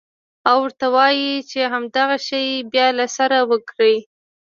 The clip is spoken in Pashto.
او ورته ووايې چې همدغه شى بيا له سره وکره.